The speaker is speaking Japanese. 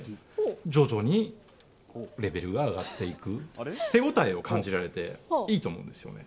徐々にレベルが上がっていく手応えを感じられていいと思うんです